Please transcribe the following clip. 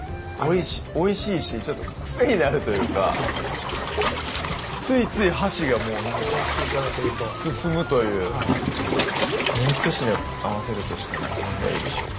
おいしいしちょっと癖になるというかついつい箸がもうそう言って頂けると進むというもうひと品合わせるとしたら何がいいでしょうか？